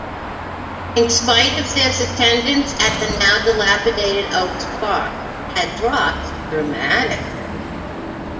In spite of this, attendance at the now-dilapidated Oaks Park had dropped dramatically.